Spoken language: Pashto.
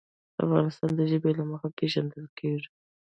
افغانستان د ژبې له مخې پېژندل کېږي.